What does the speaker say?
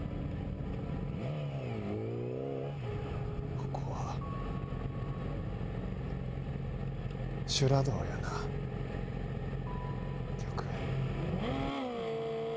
ここは修羅道やな玉栄。